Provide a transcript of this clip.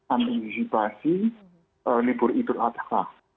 antinisipasi libur itu atas